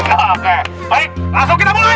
oke baik langsung kita mulai